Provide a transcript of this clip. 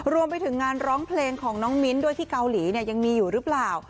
รวมไปถึงงานร้องเพลงของน้องมิ้นท์ด้วยที่เกาหลีเนี่ยยังมีอยู่หรือเปล่า